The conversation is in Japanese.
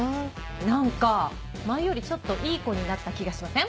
何か前よりちょっといい子になった気がしません？